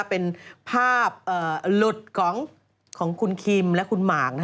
เป็นภาพหลุดของคุณคิมและคุณหมาก